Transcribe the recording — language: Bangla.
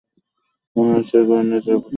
মনে হচ্ছে এগুলো নিজের অভিজ্ঞতা থেকে বলছেন।